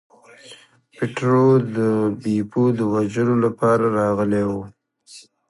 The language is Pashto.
پیټرو د بیپو د وژلو لپاره راغلی و.